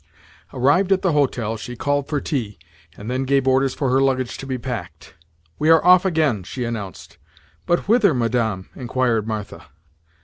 Arrived at the hotel, she called for tea, and then gave orders for her luggage to be packed. "We are off again," she announced. "But whither, Madame?" inquired Martha.